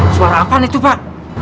suara apaan itu pak